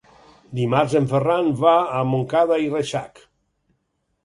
Dimarts en Ferran va a Montcada i Reixac.